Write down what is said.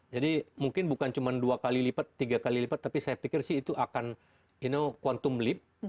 jadi mungkin bukan cuma dua kali lipat tiga kali lipat tapi saya pikir sih itu akan you know quantum leap